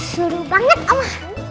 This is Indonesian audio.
seru banget oma